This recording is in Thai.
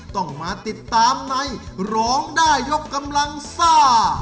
ต้องมาติดตามในร้องได้ยกกำลังซ่า